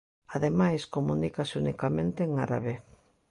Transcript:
Ademais, comunícase unicamente en árabe.